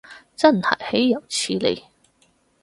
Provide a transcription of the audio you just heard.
真係豈有此理